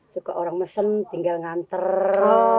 suka orang mesem tinggal nganter